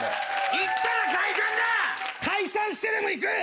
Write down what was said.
行ったら解散だ！解散してでも行く！